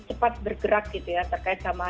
cepat bergerak terkait sama